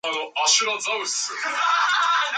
It's also described as a "Mensa meeting with fart jokes".